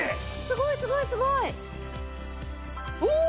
すごいすごいすごい！